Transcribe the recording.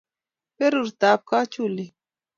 Berurto ab kachulio